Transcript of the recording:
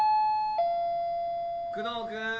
・・久能君！